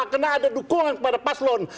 karena ada dukungan kepada paslon